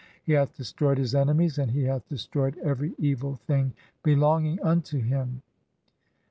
He hath destroyed "his enemies, and (5) he hath destroyed every evil thing be "longing unto him."